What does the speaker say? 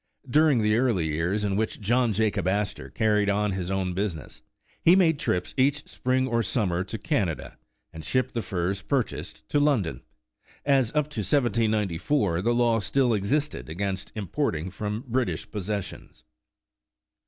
During the ea, Hy years in which John Jacob Astor carried on his own business, he made trips each spring or summer to Canada, and shipped the furs purchased to London, as up to 1794 the law still existed against importing from British possessions.